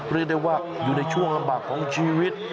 เรียกได้ว่าอยู่ในช่วงลำบากของชีวิต